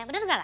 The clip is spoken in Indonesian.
bener ga ga